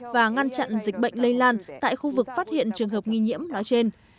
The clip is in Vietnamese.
và ngăn chặn dịch bệnh lây lan tại khu vực phát hiện trường hợp nghi nhiễm nói trên